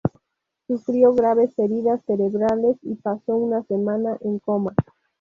Sufrió graves heridas cerebrales y pasó una semana en coma.